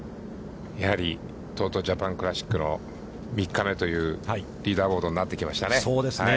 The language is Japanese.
やはりＴＯＴＯジャパンクラシックの３日目というリーダーボードになってきましたね。